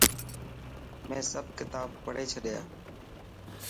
مين سڀ ڪتاب پڙهي ڇڏيا.